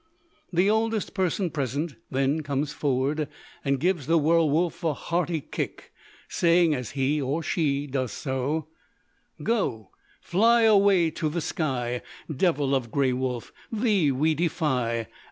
The oldest person present then comes forward and gives the werwolf a hearty kick, saying as he (or she) does so: "Go, fly, away to the sky; Devil of greywolf, thee we defy.